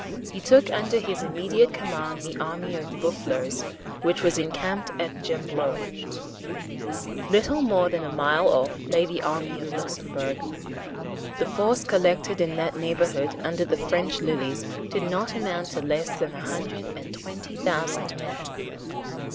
He took under his immediate command the army of Boufflers, which was encamped at Gembloux. Little more than a mile off lay the army of Luxemburg. The force collected in that neighbourhood under the French lilies did not amount to less than a hundred and twenty thousand men.